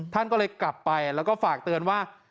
ท่านก็เลยกลับไปแล้วก็ฝากเตือนว่า